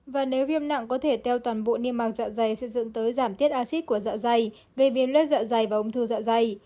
và nếu viêm nặng có thể teo toàn bộ niêm mạc dọa dày sẽ dẫn tới giảm tiết acid của dọa dày gây viêm lết dọa dày và ông thư dọa dày